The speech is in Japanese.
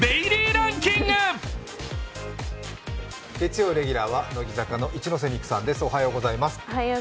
月曜レギュラーは乃木坂の一ノ瀬美空さんです。